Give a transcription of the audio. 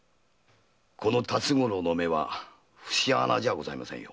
この辰五郎の目は節穴じゃございませんよ。